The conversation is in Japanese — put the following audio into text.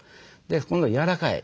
今度柔らかい。